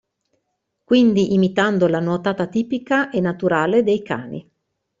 Quindi imitando la nuotata tipica e naturale dei cani.